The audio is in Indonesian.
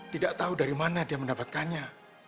tidak tahu dari mana dia mendapatkannya